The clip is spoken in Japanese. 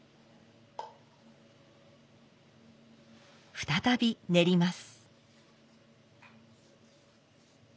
再び練ります。